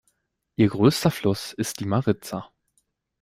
Ihr größter Fluss ist die Mariza.